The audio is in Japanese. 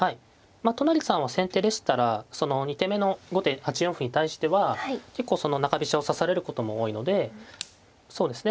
まあ都成さんは先手でしたら２手目の後手８四歩に対しては結構中飛車を指されることも多いのでそうですね